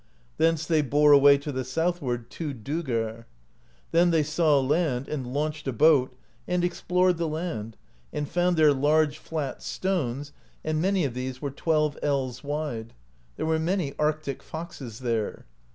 Thence they bore away to the southward two "doegr" (46). Then they saw land, and launched a boat, and explored the land, and found there large flat stones [hellur], and many of these were twelve ells wide; there were many Arctic foxes there.